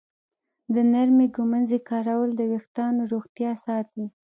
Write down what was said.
د نرمې ږمنځې کارول د ویښتانو روغتیا ساتي.